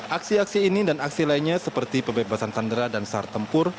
aksi aksi ini dan aksi lainnya seperti pembebasan sandera dan sar tempur